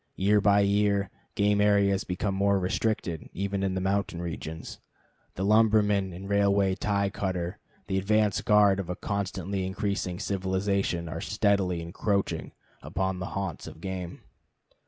Year by year game areas become more restricted, even in the mountain regions. The lumberman and railway tie cutter, the advance guard of a constantly increasing civilization, are steadily encroaching upon the haunts of game.